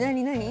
何？